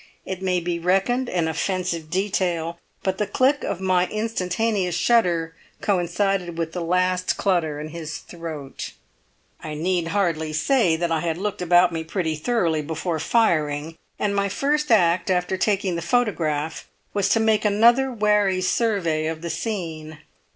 It may be reckoned an offensive detail, but the click of my instantaneous shutter coincided with the last clutter in his throat. "I need hardly say that I had looked about me pretty thoroughly before firing, and my first act after taking the photograph was to make another wary survey of the scene.